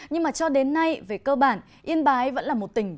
nhưng mà cho đến nay về cơ bản yên bái vẫn là một tỉnh